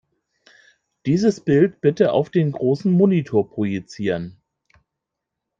Dieses Bild bitte auf den großen Monitor projizieren.